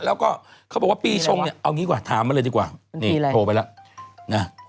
แล้วก็เขาบอกว่าปีชงเนี่ยเอางี้กว่าถามมาเลยดีกว่านี่โทรไปแล้วนะ